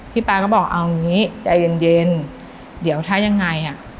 พี่ป้าก็บอกเอาอย่างงี้ใจเย็นเดี๋ยวถ้ายังไงอะ